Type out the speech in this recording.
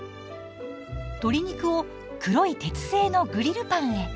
鶏肉を黒い鉄製のグリルパンへ。